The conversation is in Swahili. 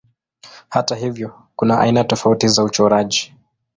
Hata hivyo kuna aina tofauti za uchoraji.